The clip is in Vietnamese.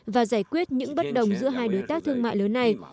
và giải quyết những bất đồng giữa hai đối tác thương mại lớn này